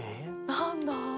何だ？